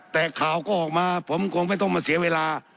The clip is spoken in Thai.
แต่ข่าวก็ออกมาผมคงไม่ต้องมาเสียเวลา